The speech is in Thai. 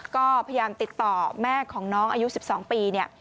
ก็พยายามติดต่อแม่ของน้องอายุ๑๒ปีเนี่ย